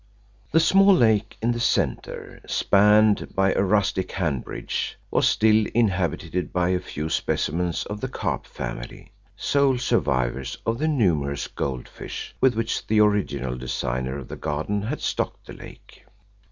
The small lake in the centre, spanned by a rustic hand bridge, was still inhabited by a few specimens of the carp family sole survivors of the numerous gold fish with which the original designer of the garden had stocked the lake.